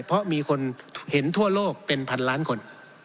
เพราะมีคนเห็นทั่วโลกเป็นพันล้านคน